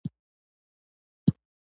د تواب بکس دروند شو، جُوجُو وويل: